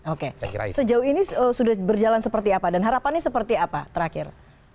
oke sejauh ini sudah berjalan seperti apa dan harapannya seperti apa terakhir